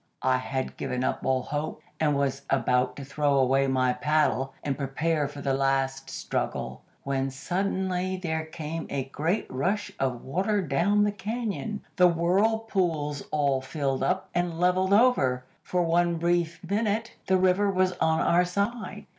"I had given up all hope, and was about to throw away my paddle and prepare for the last struggle, when suddenly there came a great rush of water down the cañon. The whirlpools all filled up and levelled over; for one brief minute the river was on our side.